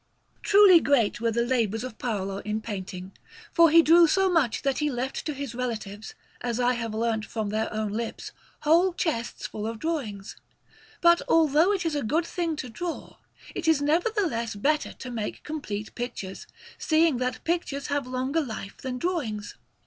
Paris: Louvre, 1272) Mansell] Truly great were the labours of Paolo in painting, for he drew so much that he left to his relatives, as I have learnt from their own lips, whole chests full of drawings. But, although it is a good thing to draw, it is nevertheless better to make complete pictures, seeing that pictures have longer life than drawings.